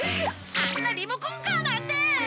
あんなリモコンカーなんて！